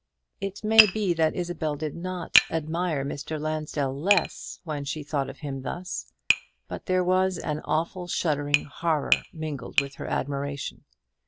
It may be that Isabel did not admire Mr. Lansdell less when she thought of him thus; but there was an awful shuddering horror mingled with her admiration.